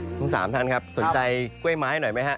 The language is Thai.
ทั้งสามท่านครับสนใจกล้วยไม้หน่อยไหมฮะ